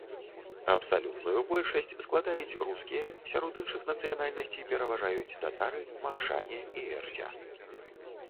Абсалютную большасць складаюць рускія, сярод іншых нацыянальнасцей пераважаюць татары, макшане і эрзя.